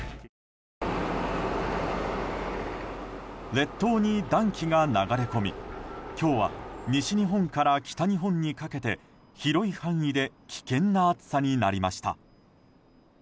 列島に暖気が流れ込み、今日は西日本から北日本にかけて広い範囲で危険な暑さになりました。